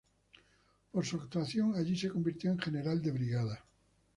Por su actuación allí se convirtió en general de brigada.